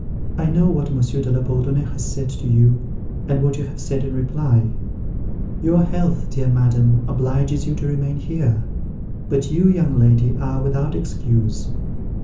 I know what Monsieur de la Bourdonnais has said to you, and what you have said in reply. Your health, dear madam, obliges you to remain here; but you, young lady, are without excuse.